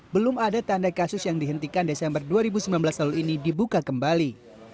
belum ada tanda kasus yang dihentikan desember dua ribu sembilan belas lalu ini dibuka kembali